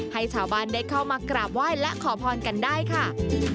ให้ชาวบ้านได้เข้ามากราบไหว้และขอพรกันได้ค่ะ